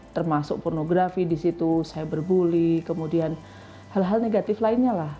termasuk pornografi di situ cyberbully kemudian hal hal negatif lainnya lah